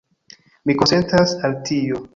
Mi konsentas al tio.